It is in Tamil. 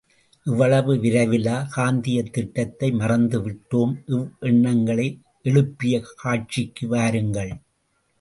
இவ்வளவு விரைவிலா காந்தியத் திட்டத்தை மறந்து விட்டோம் இவ்வெண்ணங்களை எழுப்பிய காட்சிக்கு வாருங்கள்.